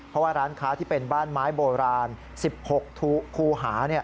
เพราะว่าร้านค้าที่เป็นบ้านไม้โบราณ๑๖คูหา